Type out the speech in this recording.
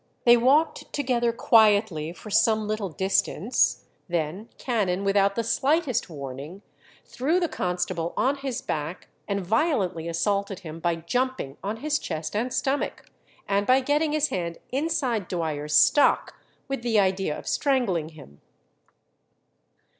They walked together quietly for some little distance, then Cannon, without the slightest warning, threw the constable on his back, and violently assaulted him by jumping on his chest and stomach, and by getting his hand inside Dwyer's stock, with the idea of strangling him.